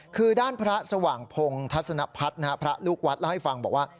คือด้านพระสว่างพงศ์ทัศนพัฒน์พระลูกวัดเล่าให้ฟังบอกว่า